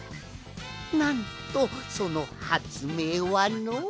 なんとそのはつめいはの。